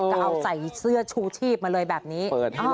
ก็เอาใส่เสื้อชูชีพมาเลยแบบนี้